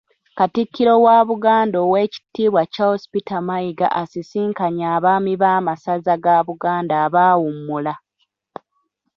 Katikkiro wa Buganda Owekiibwa Charles Peter Mayiga asisinkanye abaami b'amasaza ga Buganda abaawummula.